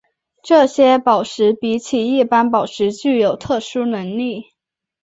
这些宝石比起一般宝石具有特殊能力。